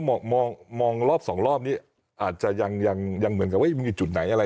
มองมองรอบสองรอบนี้อาจจะยังยังเหมือนกับว่ามันมีจุดไหนอะไร